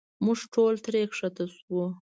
موږ ټول ترې ښکته شو.